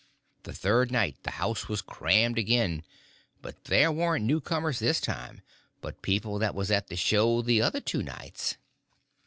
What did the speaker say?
The third night the house was crammed again—and they warn't new comers this time, but people that was at the show the other two nights.